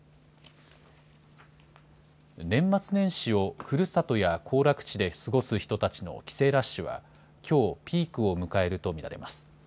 年末年始をふるさとや行楽地で過ごす人たちの帰省ラッシュは、きょうピークを迎えると見られます。